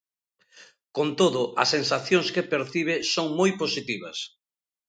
Con todo, as sensacións que percibe son moi positivas.